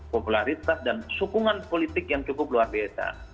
popularitas dan sukungan politik yang cukup luar biasa